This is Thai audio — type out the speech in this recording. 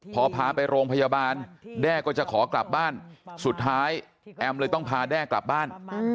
พอพาไปโรงพยาบาลแด้ก็จะขอกลับบ้านสุดท้ายแอมเลยต้องพาแด้กลับบ้าน